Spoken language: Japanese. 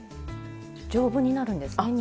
丈夫になるんですね２回。